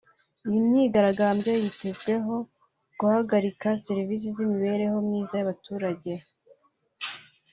Iyi myigaragambyo yitezweho guhagarika serivisi z’imibereho myiza y’abaturage